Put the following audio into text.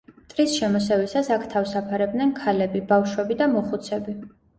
მტრის შემოსევისას აქ თავს აფარებდნენ ქალები, ბავშვები და მოხუცები.